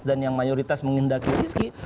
dan yang mayoritas mengindaki rizky